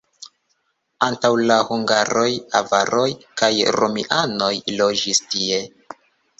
Antaŭ la hungaroj avaroj kaj romianoj loĝis tie.